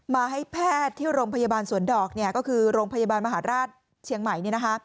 มาให้แพทย์ที่โรงพยาบาลสวนดอกก็คือโรงพยาบาลมหาราชเชียงใหม่